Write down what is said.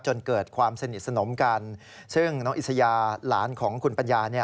จนเกิดความสนิทสนมกันซึ่งน้องอิสยาหลานของคุณปัญญา